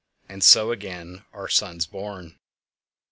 And so again are suns born!